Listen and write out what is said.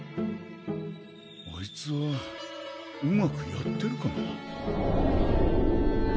あいつはうまくやってるかな？